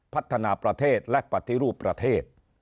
พัฒนาประเทศและปฏิรูปประเทศ